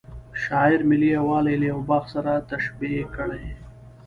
شاعر ملي یوالی له یوه باغ سره تشبه کړی.